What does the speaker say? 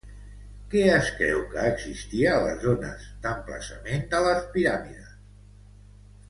Què es creu que existia a les zones d'emplaçament de les piràmides?